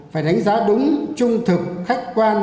phải đánh giá đúng trung thực khách quan